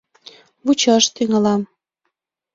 — Вучаш тӱҥалам...